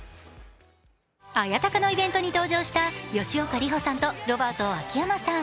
綾鷹のイベントに登場した吉岡里帆さんとロバート秋山さん。